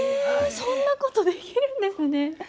そんなことできるんですね。